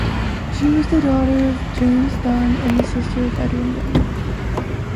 She was the daughter of James Dunn and the sister of Edwin Dun.